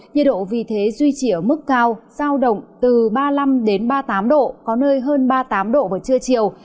nhiệt độ vì thế duy trì ở mức cao giao động từ ba mươi năm ba mươi tám độ có nơi hơn ba mươi tám độ vào trưa chiều